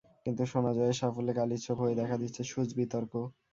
কিন্তু সোনা জয়ের সাফল্যে কালির ছোপ হয়ে দেখা দিচ্ছে সুচ বিতর্ক।